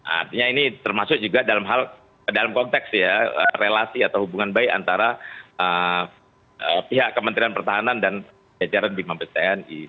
artinya ini termasuk juga dalam konteks ya relasi atau hubungan baik antara pihak kementerian pertahanan dan kesejahteraan bimang pestani